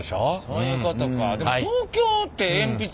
そういうことか。